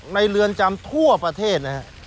ในเรือนจำทั่วประเทศ